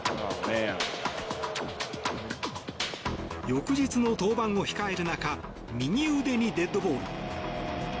翌日の登板を控える中右腕にデッドボール。